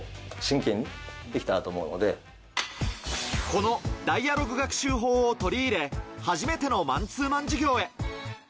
このダイアログ学習法を取り入れ、初めてのマンツーマン授業へ。